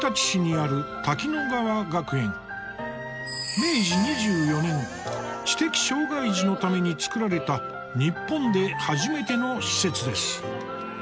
明治２４年知的障害児のために作られた日本で初めての施設です。